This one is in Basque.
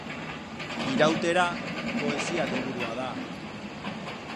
Irautera poesia liburua da.